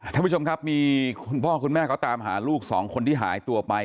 ท่านผู้ชมครับมีคุณพ่อคุณแม่เขาตามหาลูกสองคนที่หายตัวไป